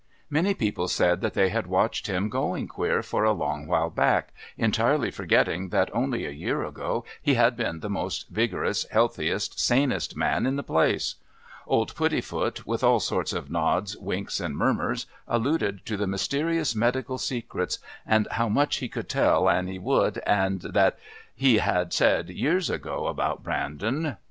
Many people said that they had watched him "going queer" for a long while back, entirely forgetting that only a year ago he had been the most vigorous, healthiest, sanest man in the place. Old Puddifoot, with all sorts of nods, winks and murmurs, alluded to mysterious medical secrets, and "how much he could tell an' he would," and that "he had said years ago about Brandon...."